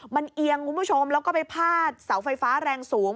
มันเอียงคุณผู้ชมแล้วก็ไปพาดเสาไฟฟ้าแรงสูง